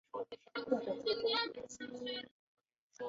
是该国唯一一个总教区。